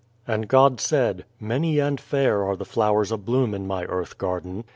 And God said :" Many and fair are the flowers abloom in my earth garden.